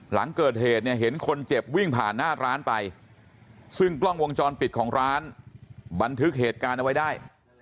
หลังเกิดเหตุเนี่ยเห็นคนเจ็บวิ่งผ่านหน้าร้านไปซึ่งกล้องวงจรปิดของร้านบันทึกเหตุการณ์เอาไว้ได้